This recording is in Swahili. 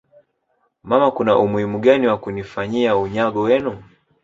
mama Kuna umuhimu gani wa kunifanyia unyago wenu